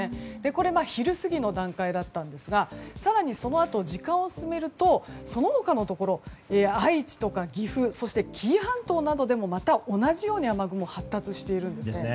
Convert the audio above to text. これは昼過ぎの段階だったんですが更にそのあと時間を進めると、その他のところ愛知とか岐阜そして紀伊半島などでも、また同じように雨雲が発達しているんですね。